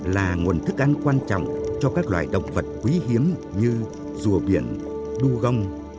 là nguồn thức ăn quan trọng cho các loại động vật quý hiếm như rùa biển đu gông